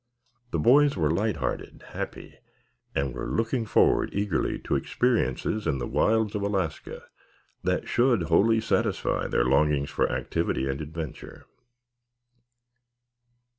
The boys were light hearted, happy, and were looking forward eagerly to experiences in the wilds of Alaska that should wholly satisfy their longings for activity and adventure.